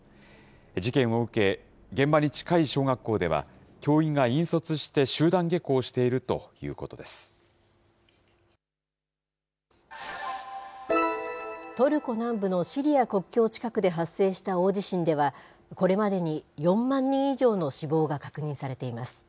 事件を受け、現場に近い小学校では、教員が引率して集団下校してトルコ南部のシリア国境近くで発生した大地震では、これまでに４万人以上の死亡が確認されています。